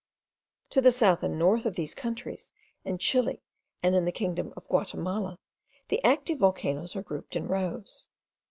To the south and north of these countries, in Chile and in the kingdom of Guatimala, the active volcanoes are grouped in rows.